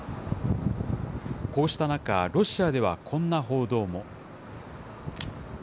こうした中、ロシアではこんな報道も。